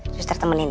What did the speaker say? sus taruh temanin ya